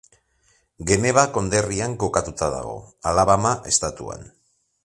Geneva konderrian kokatuta dago, Alabama estatuan.